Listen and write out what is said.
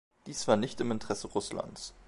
Dies war nicht im Interesse Russlands.